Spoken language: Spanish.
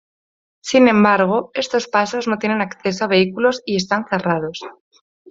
Sin embargo, estos pasos no tienen acceso a vehículos y están cerrados.